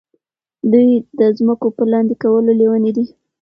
دوی د ځمکو په لاندې کولو لیوني دي.